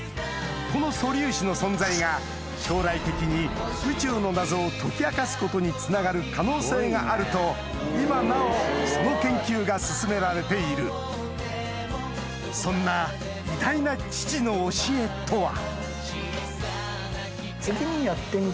この素粒子の存在が将来的に宇宙の謎を解き明かすことにつながる可能性があると今なおその研究が進められているそんな偉大な父の教えとは？